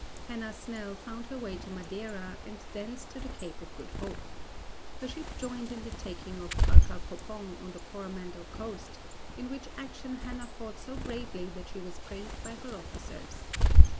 Hannah Snell found her way to Madeira and thence to the Cape of Good Hope. Her ship joined in the taking of Arcacopong on the Coromandel Coast; in which action Hannah fought so bravely that she was praised by her officers.